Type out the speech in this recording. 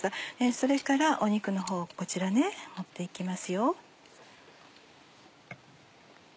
それから肉のほうこちら盛って行きますよ。